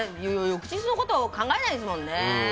翌日のことは考えないですもんね。